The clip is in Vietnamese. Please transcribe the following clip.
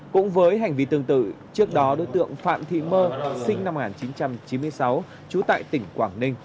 cũng với hành vi tương tự trước đó đối tượng phạm thị mơ sinh năm một nghìn chín trăm chín mươi sáu trú tại tỉnh quảng ninh